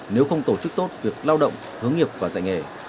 nếu không tổ chức tốt việc lao động hướng nghiệp và dạy nghề